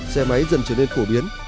xe máy dần trở nên phổ biến